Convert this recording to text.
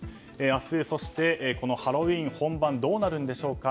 明日、そしてハロウィーン本番どうなるんでしょうか。